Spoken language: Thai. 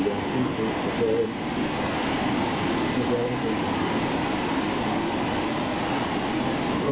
ทำไม